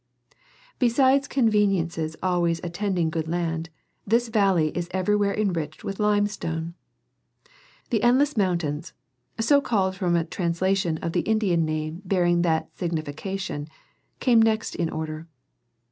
Besides conveniences always attend ing good land, this valley is everywhere enriched with Limestone. " The Endless mountains, so called from a translation of the Indian name bearing that signification, come next in order.